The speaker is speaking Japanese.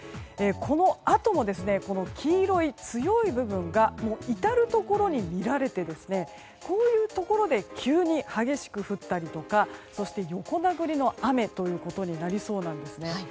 このあとも、黄色い強い部分が至るところに見られてこういうところで急に激しく降ったりとか横殴りの雨となりそうなんですね。